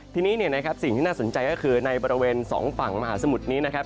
ทีนี้เนี่ยนะครับสิ่งที่น่าสนใจก็คือในบริเวณสองฝั่งมหาสมุทรนี้นะครับ